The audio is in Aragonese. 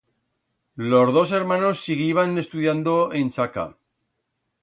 Los dos ermanos siguiban estudiando en Chaca.